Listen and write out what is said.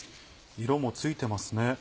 色もついてますね。